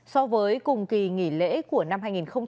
so với cùng kỳ nghỉ lễ của năm hai nghìn hai mươi ba